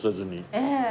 ええ。